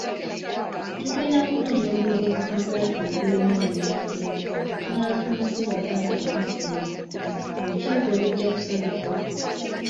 Tugenda kunoonya oluguudo mu Kampala tulubbulemu erinnya lye, tunaalutuuma Sebaggala oba Seya, olukiiko lujjakusalawo.